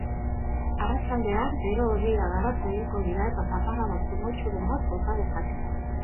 Arratsaldean bero-hodeiak garatu egingo dira eta zaparrada trumoitsuren bat bota dezake.